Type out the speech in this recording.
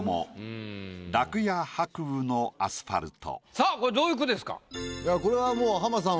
さぁこれどういう句ですか？